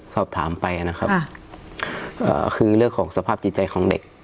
สอบถามไปนะครับก็คือเรื่องของสภาพจิตใจของเด็ก